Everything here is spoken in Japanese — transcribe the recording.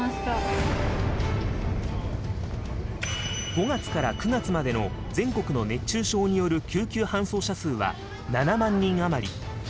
５月から９月までの全国の熱中症による救急搬送者数は７万人余り。